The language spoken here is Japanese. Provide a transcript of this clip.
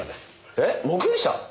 えっ目撃者？